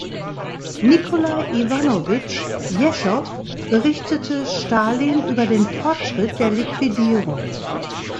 Nikolai Iwanowitsch Jeschow berichtete Stalin über den Fortschritt der Liquidierung.